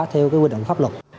theo quy định của pháp luật